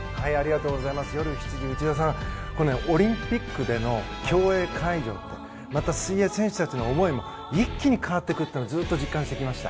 オリンピックでの競泳会場ってまた水泳選手たちの思いも一気に変わってくるのがずっと実感してきました。